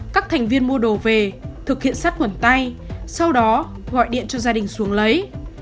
các thành viên mua đồ về thực hiện sát khuẩn tay sau đó gọi điện cho gia đình xuống lấy